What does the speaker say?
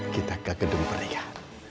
kita ke gedung pernikah